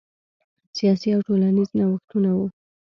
سیاسي او ټولنیز نوښتونه وو.